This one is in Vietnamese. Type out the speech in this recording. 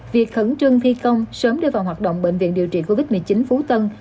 việc khẩn trương thi công sớm đưa vào hoạt động bệnh viện điều trị covid một mươi chín phú tân